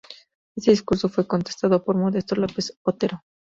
Este discurso fue contestado por Modesto López Otero.